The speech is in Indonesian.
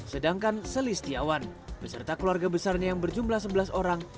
sedangkan selis tiawan beserta keluarga besarnya yang berjumlah sebelas orang